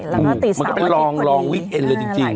แล้วก็ติดซะวันยุปเหตุตอนนี้มันก็เป็นรองวิเองจริง